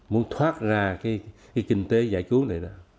muốn thoát ra cái kinh tế giải trú này